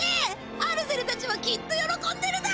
アルゼルたちもきっとよろこんでるだ！